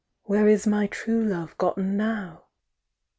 Where is my true love gotten now?